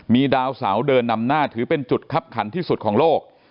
มีดาวเสาเดินนำหน้าถือเป็นจุดคับขันที่สุดของโลก